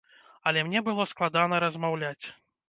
Але мне было складана размаўляць.